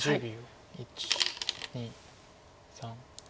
１２３。